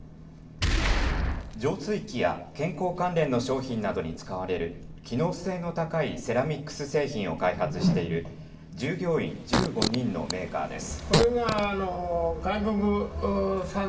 浄水器や健康関連の商品などに使われる機能性の高いセラミックス製品を開発している従業員１５人のメーカーです。